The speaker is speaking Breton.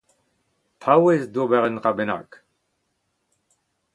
paouez d'ober udb.